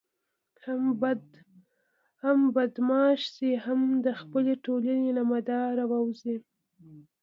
هم بدماش شي او هم د خپلې ټولنې له مدار ووزي.